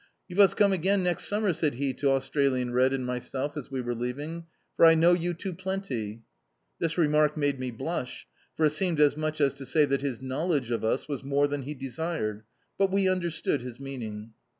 "You vos come again, next summer," said he to Australian Red and myself as we were leaving — "for I know you two plenty." This remark made me blush, for it seemed as much as to say that his knowledge of us was more than he desired — but we understood his meaning.